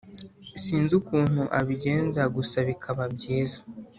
sinzi ukuntu abigenza gusa bikaba byiza